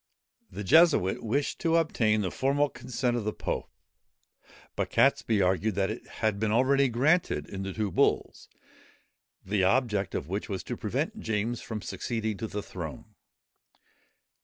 ] The Jesuit wished to obtain the formal consent of the pope; but Catesby argued that it had been already granted, in the two bulls, the object of which was to prevent James from succeeding to the throne.